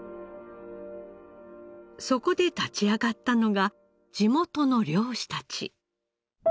そこで立ち上がったのが地元の漁師たち。